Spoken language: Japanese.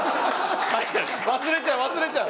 忘れちゃう忘れちゃう！